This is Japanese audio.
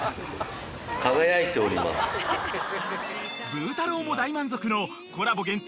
［ブー太郎も大満足のコラボ限定